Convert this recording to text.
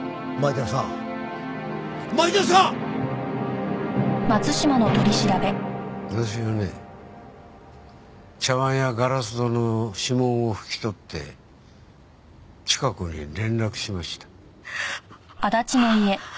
私はね茶碗やガラス戸の指紋を拭き取ってチカ子に連絡しました。